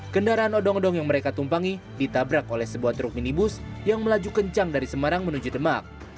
kendaraan odong odong yang mereka tumpangi ditabrak oleh sebuah truk minibus yang melaju kencang dari semarang menuju demak